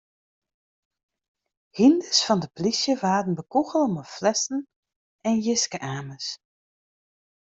Hynders fan de polysje waarden bekûgele mei flessen en jiske-amers.